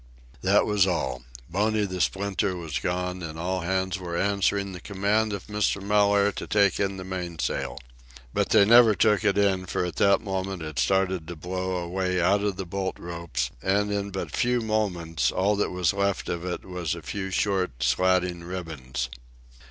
That was all. Boney the Splinter was gone, and all hands were answering the command of Mr. Mellaire to take in the mainsail. But they never took it in; for at that moment it started to blow away out of the bolt ropes, and in but few moments all that was left of it was a few short, slatting ribbons.